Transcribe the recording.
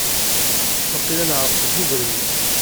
Waqila neɛreq deg ubrid.